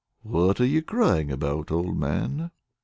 "What are you crying about, old man?"